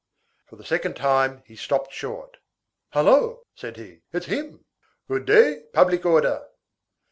For the second time, he stopped short. "Hullo," said he, "it's him. Good day, public order."